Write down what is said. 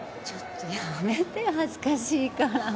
ちょっとやめて恥ずかしいから。